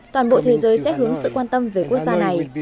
toàn bộ thế giới sẽ hướng sự quan tâm về quốc gia này